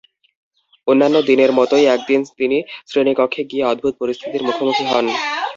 অন্যান্য দিনের মতোই একদিন তিনি শ্রেণীকক্ষে গিয়ে অদ্ভুত পরিস্থিতির মুখোমুখি হন।